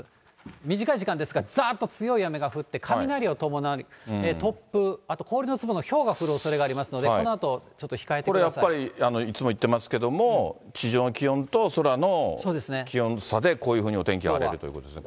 短い時間ですが、ざーっと強い雨が降って、雷を伴い、突風、あと氷の粒のひょうが降るおそれがありますので、このあと、これやっぱり、いつも言ってますけども、地上の気温と空の気温差でこういうふうにお天気が荒れるということですね。